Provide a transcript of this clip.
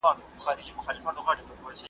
د نارنج د ګل پر پاڼو، ننګرهار ته غزل لیکم .